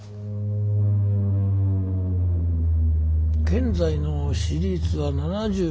現在の支持率は７２％か。